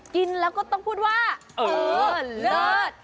กินแล้วก็ต้องพูดว่าซื้อเลิศ